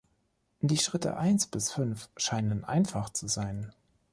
Die Schritte eins bis fünf scheinen einfach zu sein.